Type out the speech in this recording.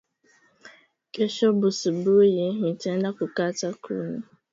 Kesho busubuyi mitenda kukata nkuni